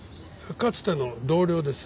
かつての同僚です。